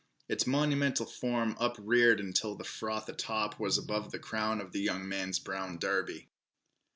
Its monumental form upreared until the froth a top was above the crown of the young man's brown derby.